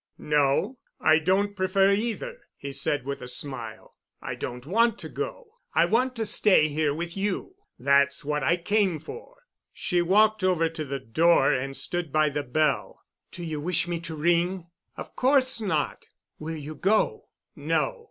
"No, I don't prefer either," he said with a smile; "I don't want to go. I want to stay here with you. That's what I came for." She walked over to the door and stood by the bell. "Do you wish me to ring?" "Of course not." "Will you go?" "No."